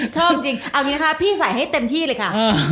ชอบจริงเอาคือพี่ใส่ให้เต็มที่เลยค่ะ